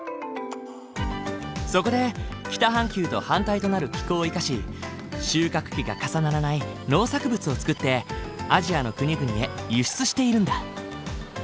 そこで北半球と反対となる気候を生かし収穫期が重ならない農作物を作ってアジアの国々へ輸出しているんだ。